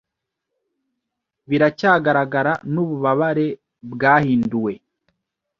Biracyagaragara nububabare bwahinduwe